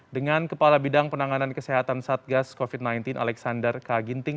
dengan kepala bidang penanganan kesehatan satgas covid sembilan belas alexander kaginting